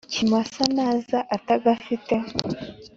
kimasa naza atagafite